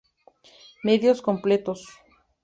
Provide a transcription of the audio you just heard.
Medios, completos.